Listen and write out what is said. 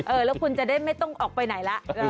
เออแล้วคุณจะได้ไม่ต้องออกไปไหนล่ะ